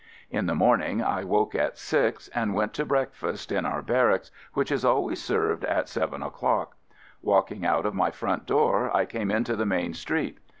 In the morning I woke at six and went to breakfast in our barracks, which is always served at seven o'clock. Walk ing out of my front door I came into the main street.